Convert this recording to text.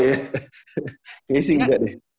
kayaknya sih nggak deh